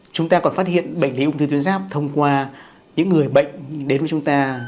chúng ta còn phát hiện bệnh lý ung thư tuyến giáp thông qua những người bệnh đến với chúng ta